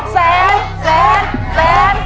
แสน